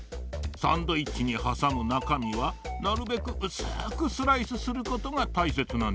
サンドイッチにはさむなかみはなるべくうすくスライスすることがたいせつなんじゃよ。